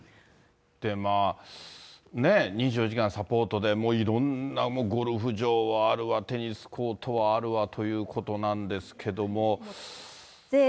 まあ、ねぇ、２４時間サポートで、色んなゴルフ場はあるわ、テニスコートはあるわということなんですけれども。